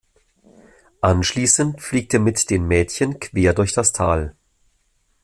Anschließend fliegt er mit den Mädchen quer durch das Tal.